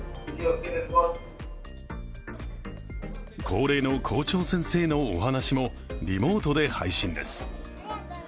恒例の校長先生のお話もリモートで配信です。